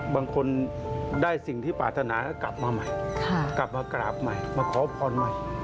บางคนได้สิ่งที่ปรารถนาก็กลับมามาขอพรใหม่